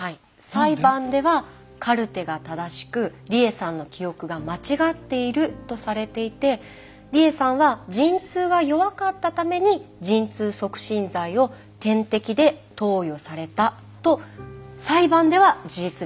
裁判ではカルテが正しく理栄さんの記憶が間違っているとされていて理栄さんは「陣痛が弱かったために陣痛促進剤を点滴で投与された」と裁判では事実認定されています。